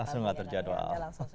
langsung atur jadwal